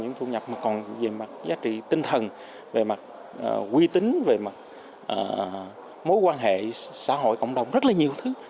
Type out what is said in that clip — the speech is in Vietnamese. nhưng thu nhập mà còn về mặt giá trị tinh thần về mặt quy tính về mặt mối quan hệ xã hội cộng đồng rất là nhiều thứ